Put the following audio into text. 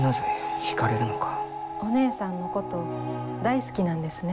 お姉さんのこと大好きなんですね。